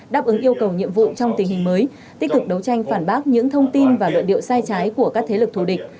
đáp ứng yêu cầu nhiệm vụ trong tình hình mới tích cực đấu tranh phản bác những thông tin và luận điệu sai trái của các thế lực thù địch